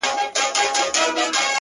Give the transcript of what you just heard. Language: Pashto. • باغچې د ګلو سولې ویجاړي ,